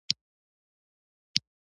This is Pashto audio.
موږ تاسي ته لیک درلېږلی وو.